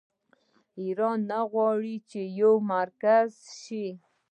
آیا ایران نه غواړي چې یو مرکز شي؟